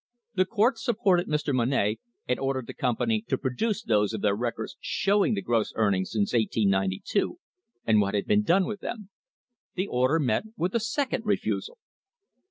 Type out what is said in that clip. The court supported Mr. Monnett, and ordered the company to produce those of their records showing the gross earnings since 1892, and what had been done with them. The order met with a second refusal.